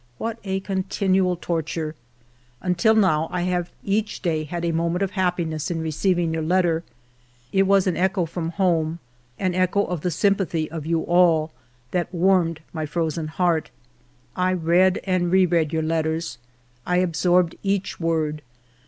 What a con tinual torture ! Until now I have each day had a moment of happiness in receiving your letter. It was an echo from home, — an echo of the sym pathy of you all, that warmed my frozen heart. I read and re read your letters. I absorbed each word.